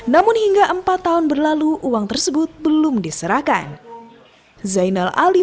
namun hingga empat tahun berlalu uang tersebut belum diserahkan